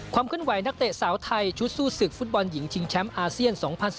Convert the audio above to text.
ความเคลื่อนไหวนักเตะสาวไทยชุดสู้ศึกฟุตบอลหญิงชิงแชมป์อาเซียน๒๐๑๙